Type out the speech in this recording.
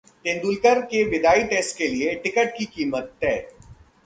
तेंदुलकर के विदाई टेस्ट के लिये टिकट की कीमत तय